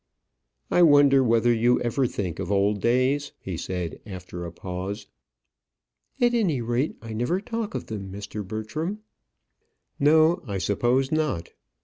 "I wonder whether you ever think of old days?" he said, after a pause. "At any rate, I never talk of them, Mr. Bertram." "No; I suppose not.